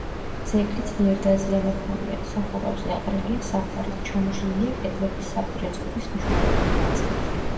ძეგლი ძლიერ დაზიანებულია: სახურავზე აყრილია საფარი, ჩამოშლილია კედლების საპირე წყობის მნიშვნელოვანი ნაწილი.